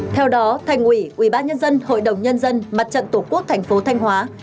theo đó thành ủy ubnd hội đồng nhân dân mặt trận tổ quốc thành phố thanh hóa